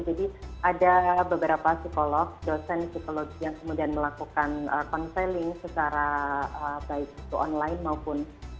jadi ada beberapa psikolog dosen psikologi yang kemudian melakukan counselling secara baik itu online maupun